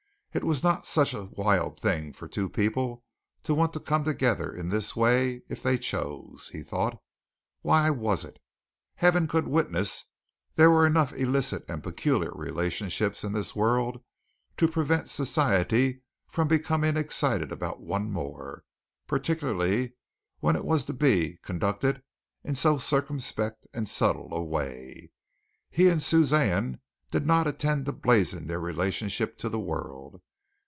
It was not such a wild thing for two people to want to come together in this way, if they chose, he thought. Why was it? Heaven could witness there were enough illicit and peculiar relationships in this world to prevent society from becoming excited about one more, particularly when it was to be conducted in so circumspect and subtle a way. He and Suzanne did not intend to blazon their relationship to the world.